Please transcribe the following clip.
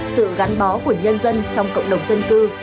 sự gắn bó của nhân dân trong cộng đồng dân cư